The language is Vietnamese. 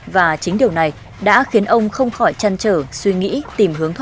và chính điều này đã khiến ông không khỏi trăn trở suy nghĩ tìm hướng